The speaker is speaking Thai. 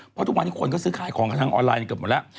เพราะทุกวันนี้คนก็ซื้อขายของกันทางออนไลน์เกือบหมดแล้ว